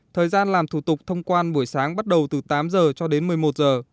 thời gian làm thủ tục thông quan buổi sáng bắt đầu từ tám giờ cho đến một mươi một giờ